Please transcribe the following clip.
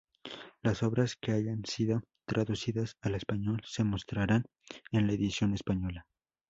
Las obras que hayan sido traducidas al español se mostrarán en la edición española.